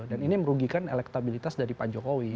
dan ini merugikan elektabilitas dari pak jokowi